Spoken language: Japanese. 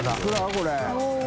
これ。